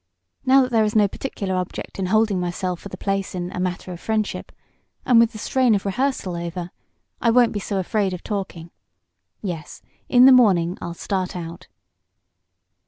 Now that there is no particular object in holding myself for the place in 'A Matter of Friendship,' and with the strain of rehearsal over, I won't be so afraid of talking. Yes, in the morning I'll start out."